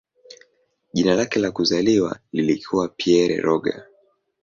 Jina lake la kuzaliwa lilikuwa "Pierre Roger".